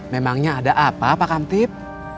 memangnya ada apa pak kamtip